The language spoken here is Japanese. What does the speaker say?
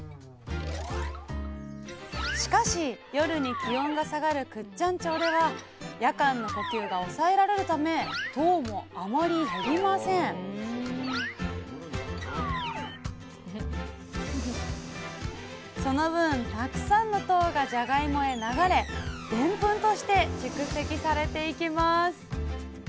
しかし夜に気温が下がる倶知安町では夜間の呼吸が抑えられるため糖もあまり減りませんその分たくさんの糖がじゃがいもへ流れでんぷんとして蓄積されていきます